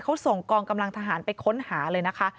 เขาส่งกองกำลังทหารไปค้นหาเลยนะคะ